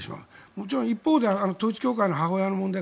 もちろん一方で統一教会の母親の問題